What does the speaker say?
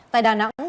tại đà nẵng